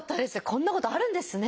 こんなことあるんですね。